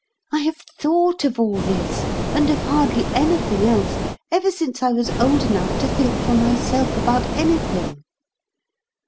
I have thought of all this, and of hardly anything else, ever since I was old enough to think for myself about anything.